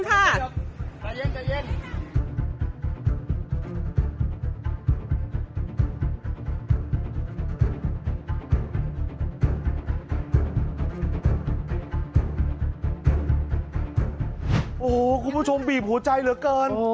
โอ้โหคุณผู้ชมบีบหัวใจเหลือเกิน